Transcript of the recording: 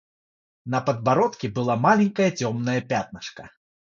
На подбородке было маленькое темное пятнышко.